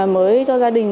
mới cho gia đình